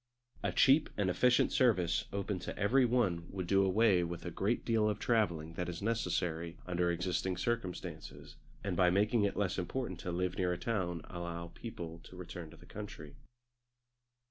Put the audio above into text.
A cheap and efficient service open to every one would do away with a great deal of travelling that is necessary under existing circumstances, and by making it less important to live near a town allow people to return to the country.